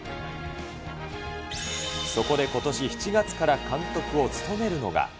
そこでことし７月から監督を務めるのが。